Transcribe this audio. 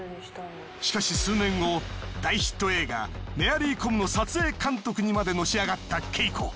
しかし数年後大ヒット映画『メアリー・コム』の撮影監督にまでのし上がったＫＥＩＫＯ。